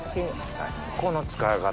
この使い方。